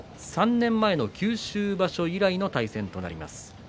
３年前の九州場所以来の対戦ということになります。